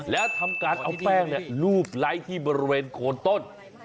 แล้วทำการเอาแป้งรูปไร้ที่บริเวณโคนต้น